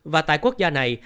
và tại quốc gia này